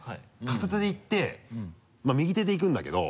片手でいってまぁ右手でいくんだけど。